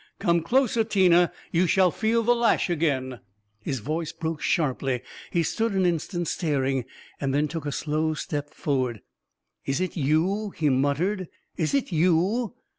" Come closer, Tina ! You shall feel the lash again ..." A KING IN BABYLON 369 His voice broke sharply ; he stood an instant star ing, then took a slow step forward. "Is it you?" he muttered. "Is it you?